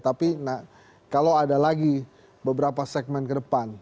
tapi kalau ada lagi beberapa segmen ke depan